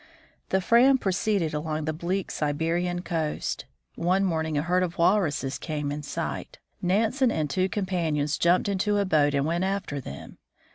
The Fram proceeded along the bleak Siberian coast. One 124 THE FROZEN NORTH morning a herd of walruses came in sight. Nansen and two companions jumped into a boat and went after them.